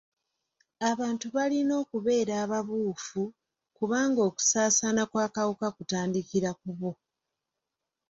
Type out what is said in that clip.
Abantu balina okubeera ababuufu kubanga okusaasaana kw'akawuka kutandikira ku bo.